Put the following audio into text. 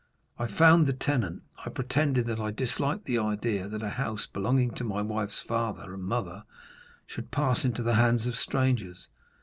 I found the tenant. I pretended that I disliked the idea that a house belonging to my wife's father and mother should pass into the hands of strangers.